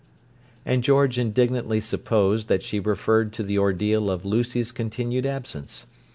And George indignantly supposed that she referred to the ordeal of Lucy's continued absence.